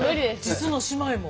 実の姉妹も。